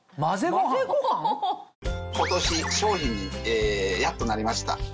今年商品にやっとなりました。